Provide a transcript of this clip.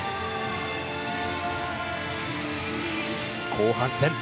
後半戦。